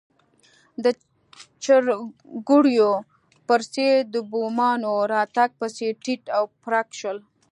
د چرګوړیو پر سېل د بومانو راتګ په څېر تیت و پرک شول.